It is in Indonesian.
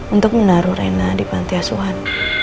untuk menaruh reina di pantai aswan